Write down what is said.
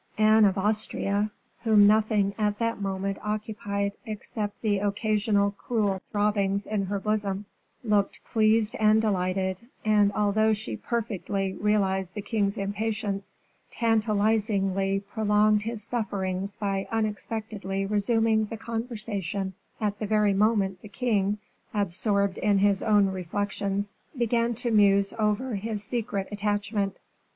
Anne of Austria, whom nothing at that moment occupied except the occasional cruel throbbings in her bosom, looked pleased and delighted, and although she perfectly realized the king's impatience, tantalizingly prolonged his sufferings by unexpectedly resuming the conversation at the very moment the king, absorbed in his own reflections, began to muse over his secret attachment.